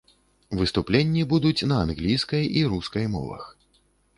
Выступленні будуць на англійскай і рускай мовах.